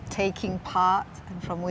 dan siapa yang memakai